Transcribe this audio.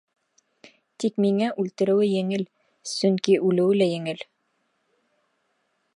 Тик миңә үлтереүе еңел, сөнки үлеүе лә еңел.